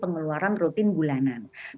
pengeluaran rutin bulanan ini berarti